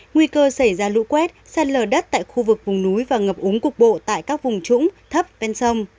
nguy cơ xảy ra lũ quét sạt lở đất tại khu vực vùng núi và ngập úng cục bộ tại các vùng trũng thấp ven sông